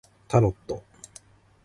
タロット